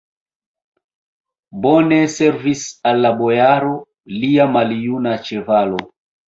Bone servis al la bojaro lia maljuna ĉevalo!